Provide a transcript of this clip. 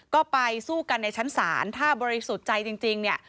ก็ไปสู้กันในชั้นศาลถ้าบริสุทธิ์ใจจริงเนี่ย